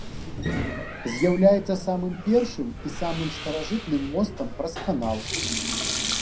З'яўляецца самым першым і самым старажытным мостам праз канал.